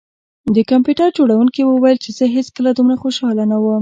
د کمپیوټر جوړونکي وویل چې زه هیڅکله دومره خوشحاله نه وم